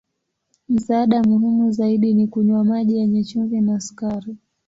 Msaada muhimu zaidi ni kunywa maji yenye chumvi na sukari.